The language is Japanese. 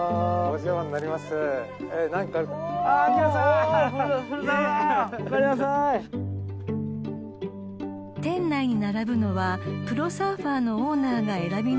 ［店内に並ぶのはプロサーファーのオーナーが選び抜いたマリングッズ］